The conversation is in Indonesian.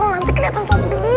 nanti kelihatan sombong